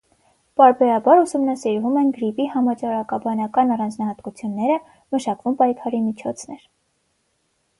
Պարբերաբար ուսումնասիրվում են գրիպի համաճարակաբանական առանձնահատկությունները, մշակվում պայքարի միջոցներ։